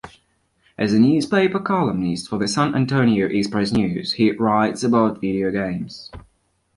As a newspaper columnist for the "San Antonio Express-News" he writes about video games.